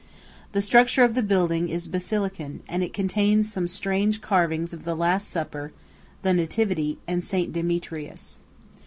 The structure of the building is basilican, and it contains some strange carvings of the Last Supper, the Nativity, and St. Demetrius.